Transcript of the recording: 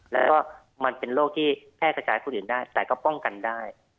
แล้วก็มันเป็นโรคที่แพร่กระจายคนอื่นได้แต่ก็ป้องกันได้